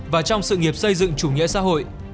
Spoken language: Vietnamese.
và trong sự nghiệp xây dựng chủ nghĩa xã hội